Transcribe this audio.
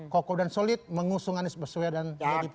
kokoh dan solid mengusung anies baswe dan bpsu